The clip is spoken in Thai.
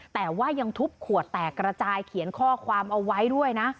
แต่ว่ายังทุบขวดแตกกระจายเขียนข้อความเอาไว้ด้วยนะ